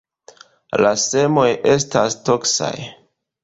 La semoj estas toksaj.